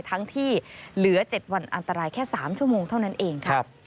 ทั้งที่เหลือ๗วันอันตรายแค่๓ชั่วโมงเท่านั้นเองค่ะ